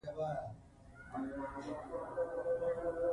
ده د روژې میاشتې په مهموالي ټینګار وکړ.